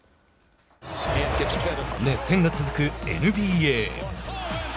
熱戦が続くＮＢＡ。